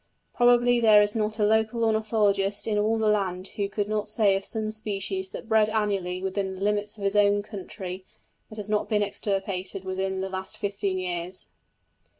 Probably there is not a local ornithologist in all the land who could not say of some species that bred annually, within the limits of his own country, that it has not been extirpated within the last fifteen years.